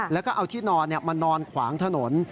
แล้วก็เอาที่นอนมานอนขวางถนน